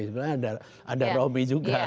sebenarnya ada robby juga